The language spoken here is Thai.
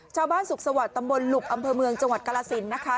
สุขสวัสดิ์ตำบลหลุบอำเภอเมืองจังหวัดกาลสินนะคะ